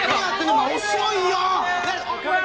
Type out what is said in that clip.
お前遅いよ！ねえ！